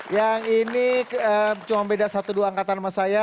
yang ini cuma beda satu dua angkatan sama saya